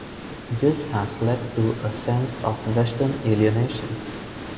This has led to a sense of Western alienation.